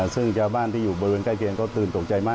ซึ่งชาวบ้านที่อยู่บริเวณใกล้เคียงก็ตื่นตกใจมาก